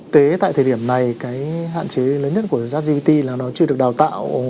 tới tại thời điểm này cái hạn chế lớn nhất của chất gpt là nó chưa được đào tạo